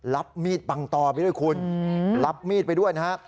รับมีดปังต่อไปด้วยคุณรับมีดไปด้วยนะฮะ